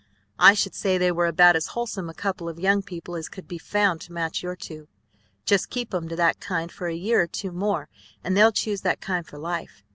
"I should say they were about as wholesome a couple of young people as could be found to match your two. Just keep 'em to that kind for a year or two more, and they'll choose that kind for life.